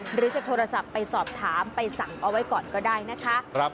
หรือจะโทรศัพท์ไปสอบถามไปสั่งเอาไว้ก่อนก็ได้นะคะ